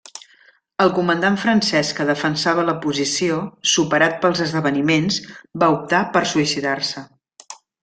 El comandant francès que defensava la posició, superat pels esdeveniments, va optar per suïcidar-se.